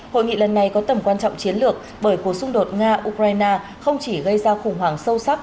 hội nghị lần này có tầm quan trọng chiến lược bởi cuộc xung đột nga ukraine không chỉ gây ra khủng hoảng sâu sắc